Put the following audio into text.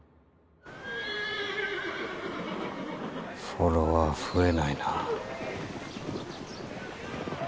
フォロワー増えないなぁ。